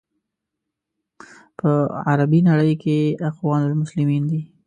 په عربي نړۍ کې اخوان المسلمین دي.